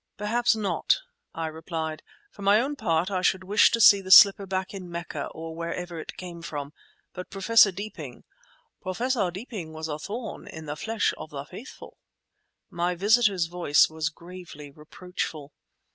"Perhaps not," I replied. "For my own part I should wish to see the slipper back in Mecca, or wherever it came from. But Professor Deeping—" "Professor Deeping was a thorn in the flesh of the Faithful!" My visitor's voice was gravely reproachful.